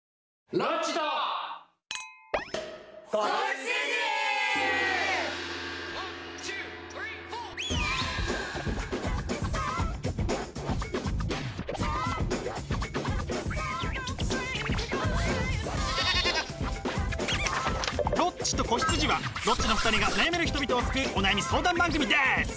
「ロッチと子羊」はロッチの２人が悩める人々を救うお悩み相談番組です！